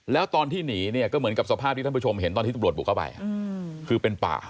แล้วตอนที่หนีเนี่ยก็เหมือนกับสภาพที่ท่านผู้ชมเห็นตอนที่ตำรวจบุกเข้าไปคือเป็นป่า